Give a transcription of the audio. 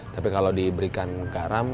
tapi kalau diberikan garam